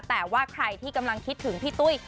แต่ว่าใครที่กำลังคิดถึงพี่ตุ้ย